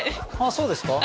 そうですか？